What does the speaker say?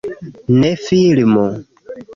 Ne filmu